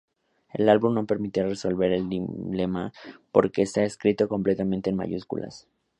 El álbum no permite resolver el dilema porque está escrito completamente en mayúsculas.